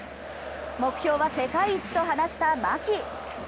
目標は世界一と話した牧。